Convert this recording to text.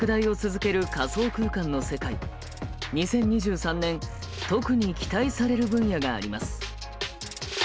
２０２３年特に期待される分野があります。